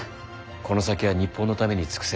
この先は日本のために尽くせ。